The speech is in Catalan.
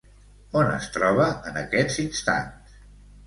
On es troba en aquests instants?